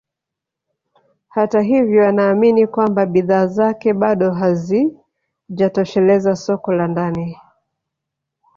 Hata hivyo anaamini kwamba bidhaa zake bado hazijatosheleza soko la ndani